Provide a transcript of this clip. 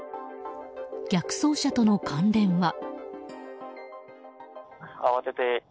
逆走車との関連は。